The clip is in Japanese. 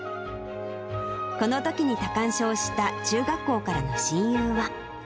このときに多汗症を知った中学校からの親友は。